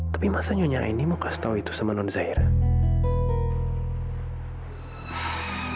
tapi masa nyonya aini mau kasih tau itu sama nonzairah